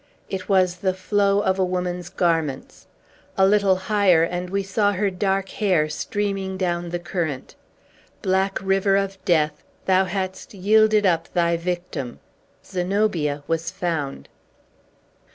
It was the flow of a woman's garments. A little higher, and we saw her dark hair streaming down the current. Black River of Death, thou hadst yielded up thy victim! Zenobia was found!